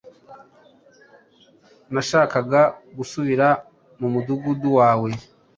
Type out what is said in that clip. Nashakaga gusubira mu mudugudu wawe.